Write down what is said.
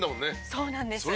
そうなんです。